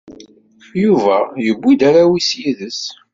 Yuba yewwi-d arraw-is yid-s.